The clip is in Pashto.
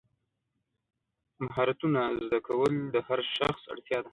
مهارتونه زده کول د هر شخص اړتیا ده.